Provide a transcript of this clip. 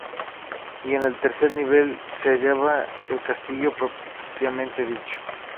Y en el tercer nivel se hallaba el castillo propiamente dicho.